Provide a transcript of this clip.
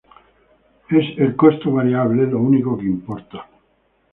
Es el costo variable lo único que importa.